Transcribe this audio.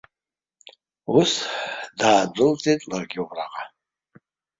Ус, даадәылҵит ларгьы убраҟа.